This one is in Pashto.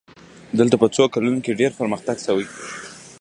دلته په څو کلونو کې ډېر پرمختګ شوی.